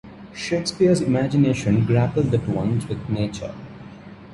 Shakespeare's imagination grappled at once with nature.